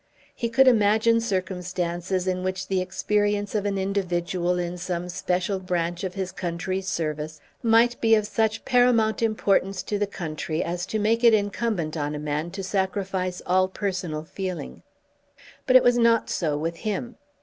He could imagine circumstances in which the experience of an individual in some special branch of his country's service might be of such paramount importance to the country as to make it incumbent on a man to sacrifice all personal feeling. But it was not so with him.